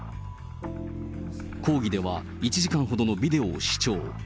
講義では１時間ほどのビデオを視聴。